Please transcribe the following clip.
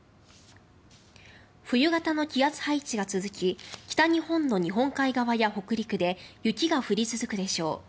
冬型の気圧配置が続き北日本の日本海側や北陸で雪が降り続くでしょう。